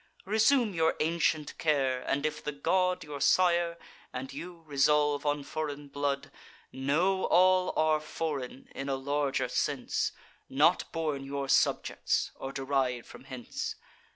Resume your ancient care; and, if the god Your sire, and you, resolve on foreign blood, Know all are foreign, in a larger sense, Not born your subjects, or deriv'd from hence.